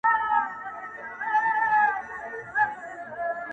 • نن به هرڅه چا لرل سبا به خوار وو,